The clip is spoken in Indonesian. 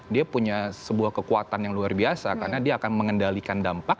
dia punya sebuah kekuatan yang luar biasa karena dia akan mengendalikan dampak